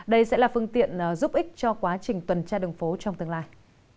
đây sẽ là phương tiện giúp ích cho quá trình tuần tra đường phố trong tương lai